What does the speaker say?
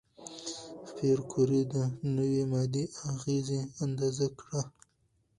پېیر کوري د نوې ماده اغېزې اندازه کړه.